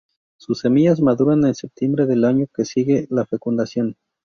Sus semillas maduran en septiembre del año que sigue a la fecundación.